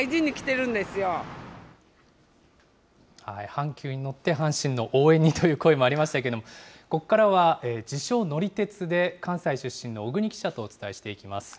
阪急に乗って、阪神の応援にという声もありましたけれども、ここからは自称乗り鉄で、関西出身の小國記者とお伝えしていきます。